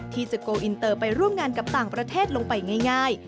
ที่จะโกลอินเตอร์ไปร่วมงานกับต่างประเทศลงไปง่าย